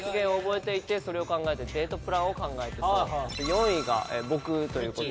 ４位が僕という事で。